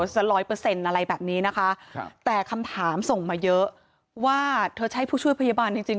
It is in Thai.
สักร้อยเปอร์เซ็นต์อะไรแบบนี้นะคะครับแต่คำถามส่งมาเยอะว่าเธอใช่ผู้ช่วยพยาบาลจริงจริง